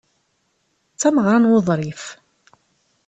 D tameɣra n wuḍrif.